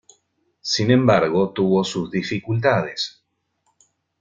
Sin embargo tuvo sus dificultades.